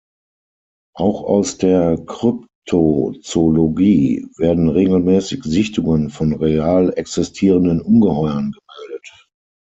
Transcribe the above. Auch aus der Kryptozoologie werden regelmäßig Sichtungen von „real“ existierenden Ungeheuern gemeldet.